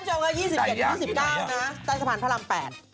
อ่ะเริ่มชมค่ะ๒๗๒๙นะใต้สะพานพระราม๘